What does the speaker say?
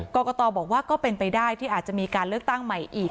กรกตบอกว่าก็เป็นไปได้ที่อาจจะมีการเลือกตั้งใหม่อีก